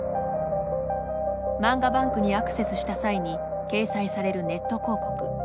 漫画ＢＡＮＫにアクセスした際に掲載されるネット広告。